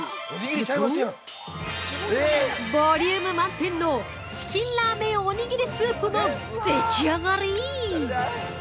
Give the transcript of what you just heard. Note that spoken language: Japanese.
するとボリューム満点のチキンラーメンおにぎりスープのでき上がり！